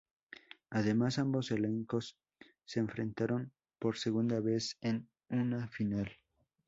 Además, ambos elencos se enfrentaron por segunda vez en una final.